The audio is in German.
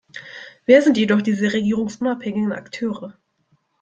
Wer sind jedoch diese regierungsunabhängigen Akteure?